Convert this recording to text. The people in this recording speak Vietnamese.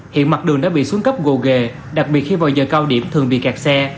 hiện mặt đường đã bị xuống cấp gồ ghề đặc biệt khi vào giờ cao điểm thường bị kẹt xe